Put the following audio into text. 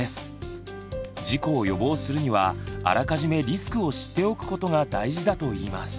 事故を予防するにはあらかじめリスクを知っておくことが大事だといいます。